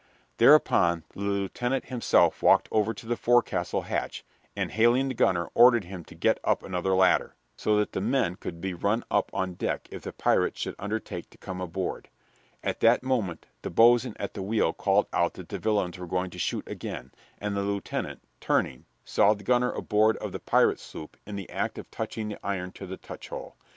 Thereupon the lieutenant himself walked over to the forecastle hatch, and, hailing the gunner, ordered him to get up another ladder, so that the men could be run up on deck if the pirates should undertake to come aboard. At that moment the boatswain at the wheel called out that the villains were going to shoot again, and the lieutenant, turning, saw the gunner aboard of the pirate sloop in the act of touching the iron to the touchhole.